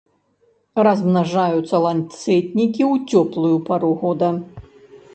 Размнажаюцца ланцэтнікі ў цёплую пару года.